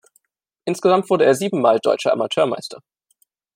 Insgesamt wurde er siebenmal Deutscher Amateurmeister.